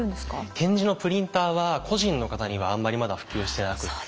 点字のプリンターは個人の方にはあんまりまだ普及してなくって。